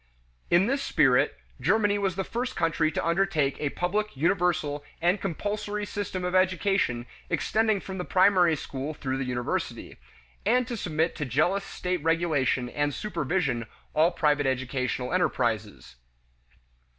In this spirit, Germany was the first country to undertake a public, universal, and compulsory system of education extending from the primary school through the university, and to submit to jealous state regulation and supervision all private educational enterprises.